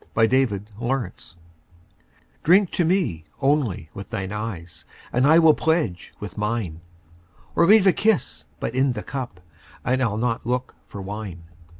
Y Z To Celia DRINK to me, only, with thine eyes, And I will pledge with mine; Or leave a kiss but in the cup, And I'll not look for wine.